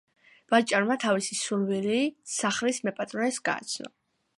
ვაჭარმა თავისი სურვილი სახლის მეპატრონეს გააცნო.